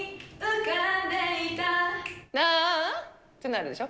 だぁーってなるでしょ。